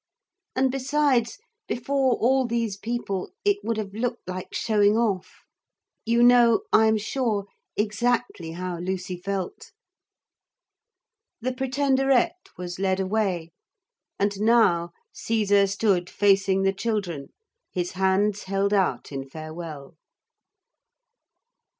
And besides, before all these people, it would have looked like showing off. You know, I am sure, exactly how Lucy felt. The Pretenderette was led away. And now Caesar stood facing the children, his hands held out in farewell.